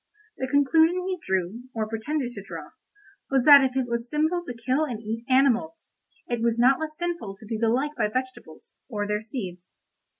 The conclusion he drew, or pretended to draw, was that if it was sinful to kill and eat animals, it was not less sinful to do the like by vegetables, or their seeds.